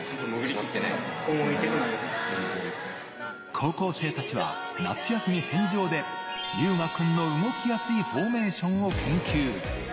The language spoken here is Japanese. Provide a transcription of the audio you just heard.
高校生たちは夏休み返上で龍芽くんの動きやすいフォーメーションを研究。